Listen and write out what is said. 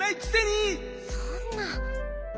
そんな。